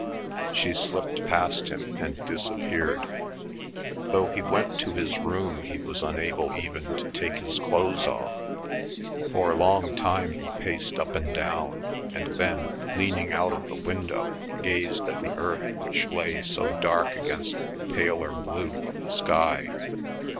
She slipped past him and disappeared. Though he went to his room he was unable even to take his clothes off. For a long time he paced up and down, and then leaning out of the window gazed at the earth which lay so dark against the paler blue of the sky.